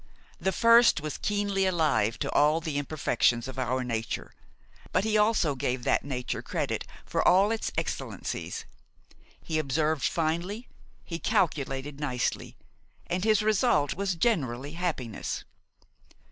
The first was keenly alive to all the imperfections of our nature, but he also gave that nature credit for all its excellencies. He observed finely, he calculated nicely, and his result was generally happiness.